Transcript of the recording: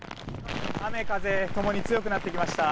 雨、風ともに強くなってきました。